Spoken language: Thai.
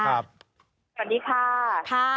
สวัสดีค่ะ